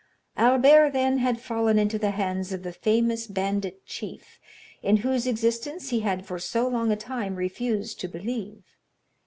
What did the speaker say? Albert, then, had fallen into the hands of the famous bandit chief, in whose existence he had for so long a time refused to believe.